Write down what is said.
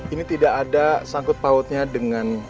ini tidak ada sangkut pautnya dengan